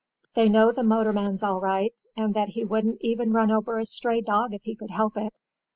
"They know the motorman's all right, and that he wouldn't even run over a stray dog if he could help it.